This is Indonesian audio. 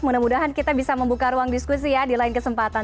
mudah mudahan kita bisa membuka ruang diskusi ya di lain kesempatan